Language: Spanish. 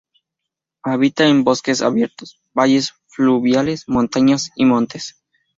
Habita en bosques abiertos, valles fluviales, montañas y montes.